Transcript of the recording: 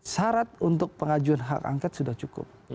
syarat untuk pengajuan hak angket sudah cukup